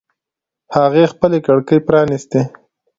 هغې خپلې کړکۍ پرانیستې